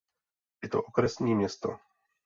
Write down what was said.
Je to okresní město.